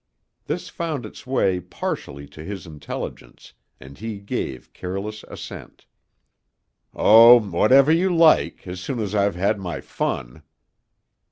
This found its way partially to his intelligence and he gave careless assent. "Oh, whenever you like, as soon as I've had my fun."